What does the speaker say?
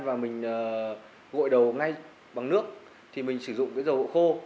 và mình gội đầu ngay bằng nước thì mình sử dụng cái dầu độ khô